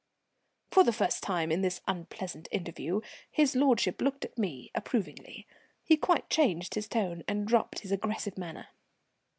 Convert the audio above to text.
For the first time in this unpleasant interview his lordship looked at me approvingly. He quite changed his tone and dropped his aggressive manner.